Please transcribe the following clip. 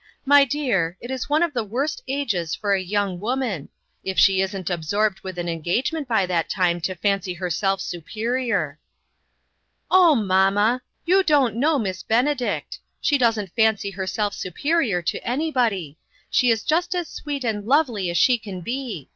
My dear, it is one of the worst ages for a young woman if she isn't absorbed with an en gagement by that time to fancy herself su perior." " Oh, mamma ! you don't know Miss Bene 1 62 INTERRUPTED. diet. She doesn't fancy herself superior to anybody. She is just as sweet and lovely as she can be.